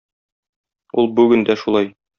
Ул бүген дә шулай.